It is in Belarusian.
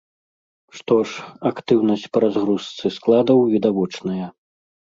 Што ж, актыўнасць па разгрузцы складаў відавочная.